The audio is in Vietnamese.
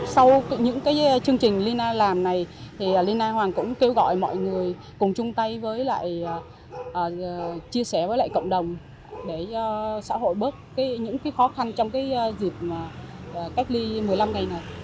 sau những chương trình lina làm này lina hoàng cũng kêu gọi mọi người cùng chung tay với lại chia sẻ với lại cộng đồng để xã hội bớt những khó khăn trong dịp cách ly một mươi năm ngày này